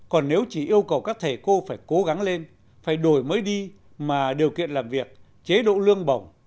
còn nếu chỉ yêu cầu các thầy cô phải cố gắng lên phải đổi mới đi mà điều kiện làm việc chế độ lương bổng